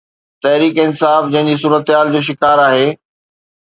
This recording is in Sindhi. تحريڪ انصاف جنهن صورتحال جو شڪار آهي.